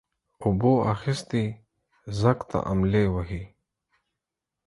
اوبو اخيستى ځگ ته املې وهي.